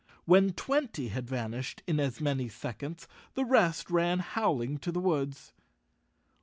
When twenty had van¬ ished in as many seconds, the rest ran howling to the woods.